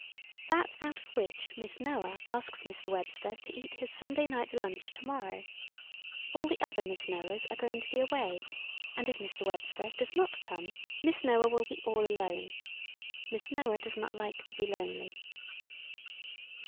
That out of which Miss Noah asks Mr. Webster to eat his Sunday night lunch tomorrow. All the other Miss Noahs are going to be away, and if Mr. Webster does not come, Miss Noah will be all alone. Miss Noah does not like to be lonely."